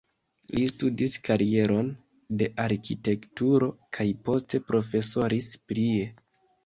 Li studis karieron de arkitekturo kaj poste profesoris prie.